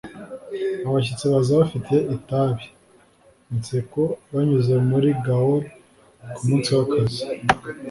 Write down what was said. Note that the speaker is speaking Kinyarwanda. Abashyitsi baza bafite itabi inseko banyuze muri gaol kumunsi wakazi